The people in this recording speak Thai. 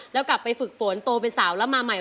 แล้วกลับไปฝึกฝนโตเป็นสาวแล้วมาใหม่